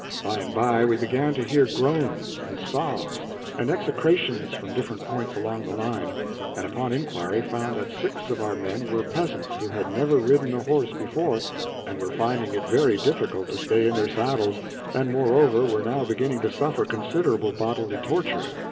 By and by we began to hear groans and sobs and execrations from different points along the line, and upon inquiry found that six of our men were peasants who had never ridden a horse before, and were finding it very difficult to stay in their saddles, and moreover were now beginning to suffer considerable bodily torture.